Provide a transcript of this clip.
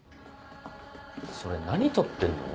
それ何撮ってんの？